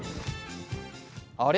あれ？